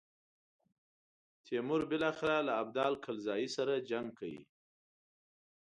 تیمور بالاخره له ابدال کلزايي سره جنګ کوي.